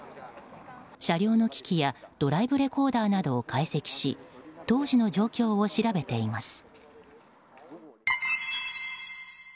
車両の機器やドライブレコーダーなどを解析し当時の状況を調べています。